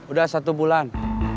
udah satu bulan